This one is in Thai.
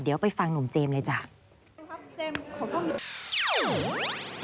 เดี๋ยวไปฟังหนุ่มเจมส์เลยจ้ะ